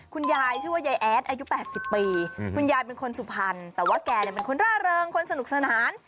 คุณยายชื่อว่ายายแอดอายุ๘๐ปีคุณยายเป็นคนสุพรรณแต่ว่าแกเป็นคนร่าเริงคนสนุกสนาน